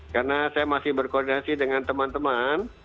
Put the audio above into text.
karena saya masih berkoordinasi dengan teman teman